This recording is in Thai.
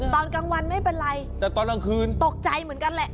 ตอนกลางวันไม่เป็นไรแต่ตอนกลางคืนตกใจเหมือนกันแหละ